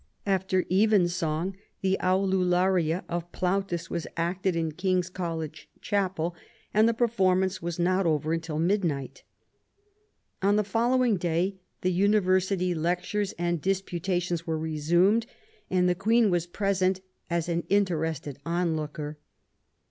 After evensong the *' Aulularia " of Plautus waa acted in King's College Chapel, and the performance was not over till midnight. On the following day the University lectures and disputations were resumed, and the Queen was present as an interested onlooker.